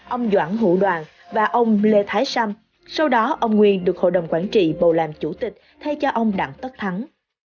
ông doãn hữu đoàn và ông lê thái sam sau đó ông nguyên được hội đồng quản trị bầu làm chủ tịch thay cho ông đặng tất thắng